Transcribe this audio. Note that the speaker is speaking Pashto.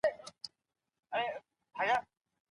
که يووالي نه وي نو پرمختګ ناشونی دی.